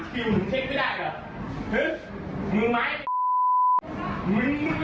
ตกล่ะ